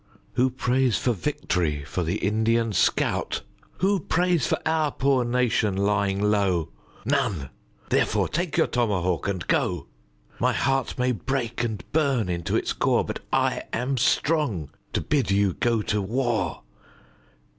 Who prays for vict'ry for the Indian scout? Who prays for our poor nation lying low? None therefore take your tomahawk and go. My heart may break and burn into its core, But I am strong to bid you go to war.